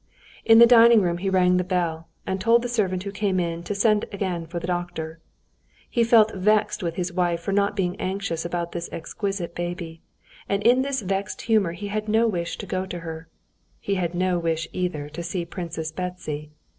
In the dining room he rang the bell, and told the servant who came in to send again for the doctor. He felt vexed with his wife for not being anxious about this exquisite baby, and in this vexed humor he had no wish to go to her; he had no wish, either, to see Princess Betsy.